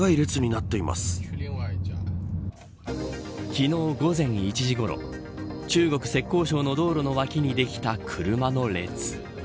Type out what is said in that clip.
昨日午前１時ごろ中国・浙江省の道路の脇にできた車の列。